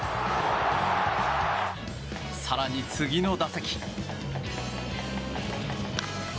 更に、次の打席。